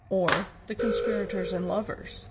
THE CONSPIEATORS AND LOVERS.